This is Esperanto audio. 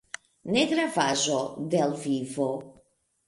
Negravaĵo de l' vivo.